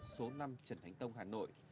số năm trần thánh tông hà nội